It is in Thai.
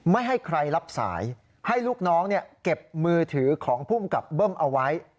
ไม่ให้ใครรับสายให้ลูกน้องเก็บมือถือของภูมิกับเบิ้มเอาไว้